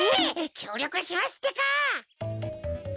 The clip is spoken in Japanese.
きょうりょくしますってか！